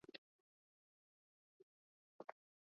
dhidi ya waasi hao wa M ishirini na tatu na kuwalazimu